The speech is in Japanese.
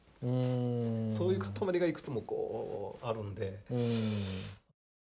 そういう固まりがいくつもこうあるので。